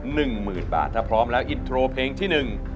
หนึ่งหมื่นบาทถ้าพร้อมแล้วอินโทรเพลงที่หนึ่ง